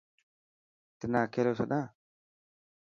تنا اڪليو ڇڏان؟